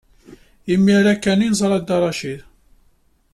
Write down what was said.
Imir-a kan ay neẓra Dda Racid.